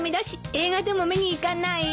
映画でも見に行かない？